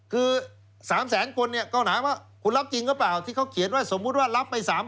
คือ๓แสนคนเนี่ยก็ถามว่าคุณรับจริงหรือเปล่าที่เขาเขียนว่าสมมุติว่ารับไป๓๐๐